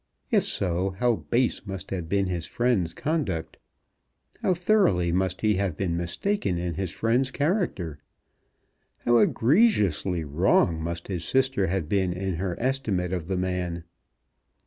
If so, how base must have been his friend's conduct! How thoroughly must he have been mistaken in his friend's character! How egregiously wrong must his sister have been in her estimate of the man!